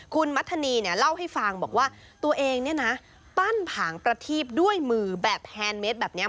คุณมัธนีเล่าให้ฟังบอกว่าตัวเองปั้นผางประทีบด้วยมือแฮนด์เมตรแบบนี้